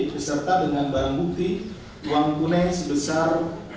beserta dengan barang bukti uang tunai sebesar